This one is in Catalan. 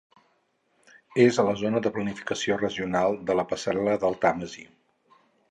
És a la zona de planificació regional de la Passarel·la del Tàmesi.